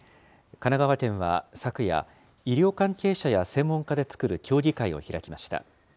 神奈川県は昨夜、医療関係者や専門家で作る協議会を開きました。